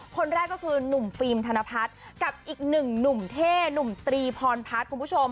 คนแรกก็คือหนุ่มฟิล์มธนพัฒน์กับอีกหนึ่งหนุ่มเท่หนุ่มตรีพรพัฒน์คุณผู้ชม